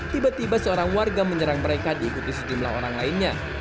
tiba tiba seorang warga menyerang mereka diikuti sejumlah orang lainnya